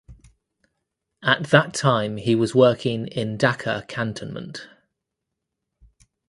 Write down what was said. At that time he was working in Dhaka cantonment.